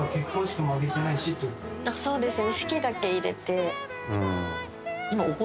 そうですね。